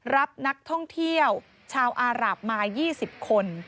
รับนักท่องเที่ยวชาวอาราบมา๒๐คน